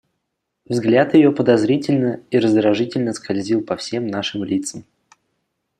Взгляд ее подозрительно и раздражительно скользил по всем нашим лицам.